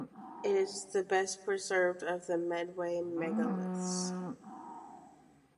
It is the best preserved of the Medway Megaliths.